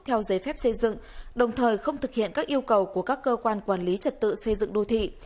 theo giấy phép xây dựng đồng thời không thực hiện các yêu cầu của các cơ quan quản lý trật tự xây dựng đô thị